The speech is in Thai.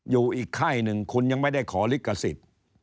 อยู่อีกค่ายหนึ่งคุณยังไม่ได้ขอลิขสิทธิ์